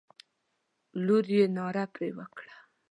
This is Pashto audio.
لور یې ناره پر وکړه.